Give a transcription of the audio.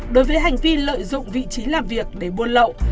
đối với hành vi lợi dụng vị trí làm việc để buôn lậu